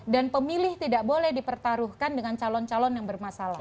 dan pemilih tidak boleh dipertaruhkan dengan calon calon yang bermasalah